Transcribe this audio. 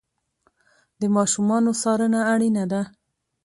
د ماشومانو څارنه اړینه ده.